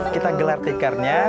kita gelar tikarnya